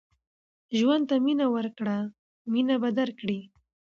ژوند ته مینه ورکړه مینه به درکړي